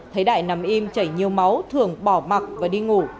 thấy đại nằm im chảy nhiều máu thưởng bỏ mặc và đi ngủ